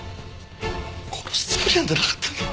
殺すつもりなんてなかったんだ。